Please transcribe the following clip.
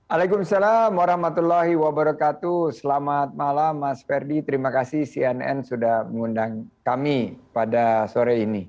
assalamualaikum selamat malam mas ferdi terima kasih cnn sudah mengundang kami pada sore ini